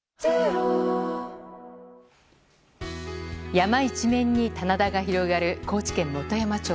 山一面に棚田が広がる高知県本山町。